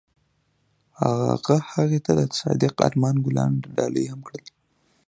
هغه هغې ته د صادق آرمان ګلان ډالۍ هم کړل.